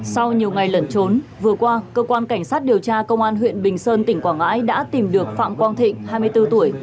sau nhiều ngày lẩn trốn vừa qua cơ quan cảnh sát điều tra công an huyện bình sơn tỉnh quảng ngãi đã tìm được phạm quang thịnh hai mươi bốn tuổi